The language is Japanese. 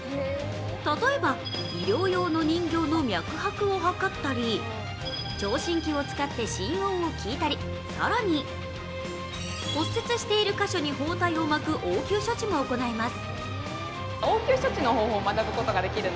例えば、医療用の人形の脈拍を測ったり聴診器を使って心音を聞いたり、更に骨折している箇所に包帯を巻く応急処置も行います。